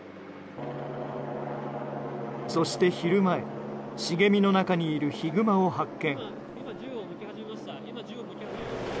そして、昼前茂みの中にいるヒグマを発見。